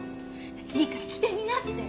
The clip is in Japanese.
いいから着てみなって。